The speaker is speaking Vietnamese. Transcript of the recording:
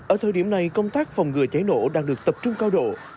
ở thời điểm này công tác phòng ngừa cháy nổ đang được tập trung cao độ